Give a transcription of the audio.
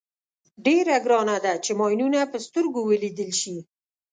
ډېره ګرانه ده چې ماینونه په سترګو ولیدل شي.